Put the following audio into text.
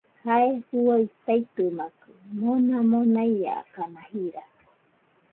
Jae juaɨ taitɨmakɨ, mona monaiakana jira